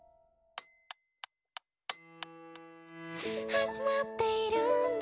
「始まっているんだ